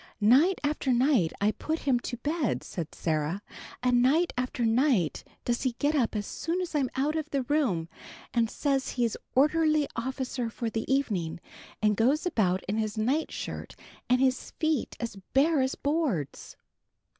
"Night after night do I put him to bed," said Sarah, "and night after night does he get up as soon as I'm out of the room, and says he's orderly officer for the evening, and goes about in his night shirt and his feet as bare as boards."